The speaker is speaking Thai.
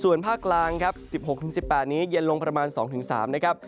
ส่วนภาคกลาง๑๖๑๘นี้เย็นลงประมาณ๒๓องศาเซียต